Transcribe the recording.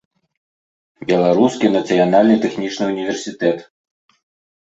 Беларускі нацыянальны тэхнічны ўніверсітэт.